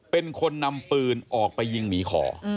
เป็นคนนำปืนออกไปยิงหมีขอ